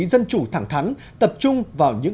dân chủ thẳng thắn tập trung vào